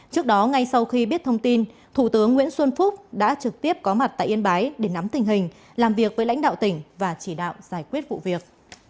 trước đó ngay sau khi biết thông tin thủ tướng nguyễn xuân phúc đã trực tiếp có mặt tại yên bái để nắm tình hình làm việc với lãnh đạo tỉnh và chỉ đạo giải quyết vụ việc